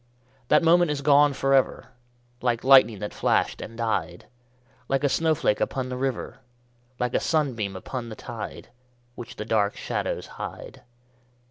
_5 2. That moment is gone for ever, Like lightning that flashed and died Like a snowflake upon the river Like a sunbeam upon the tide, Which the dark shadows hide.